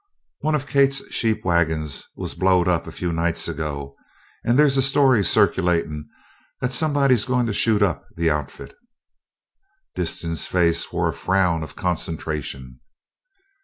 "One of Kate's sheep wagons was blowed up a few nights ago, and there's a story circulatin' that somebody's goin' to shoot up the Outfit." Disston's face wore a frown of concentration.